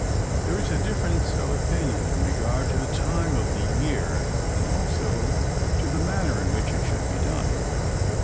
There is a difference of opinion in regard to the time of the year and also to the manner in which it should be done.